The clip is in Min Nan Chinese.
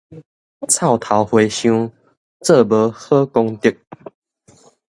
臭頭和尚，做無好功德